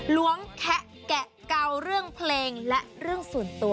ล้วงแคะแกะเกาเรื่องเพลงและเรื่องส่วนตัว